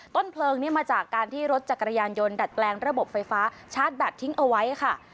ต้นเพลิงนี้มาจากการที่รถจักรยานยนต์ดัดแปลงระบบไฟฟ้าชาร์จแบตทิ้งเอาไว้ค่ะ